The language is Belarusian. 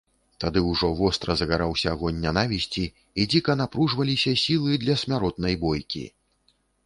Тады ўжо востра загараўся агонь нянавісці і дзіка напружваліся сілы для смяротнай бойкі.